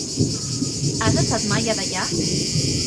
Has estat mai a Deià?